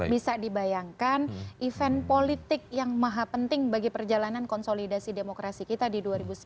bisa dibayangkan event politik yang maha penting bagi perjalanan konsolidasi demokrasi kita di dua ribu sembilan belas